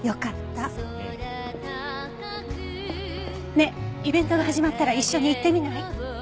ねえイベントが始まったら一緒に行ってみない？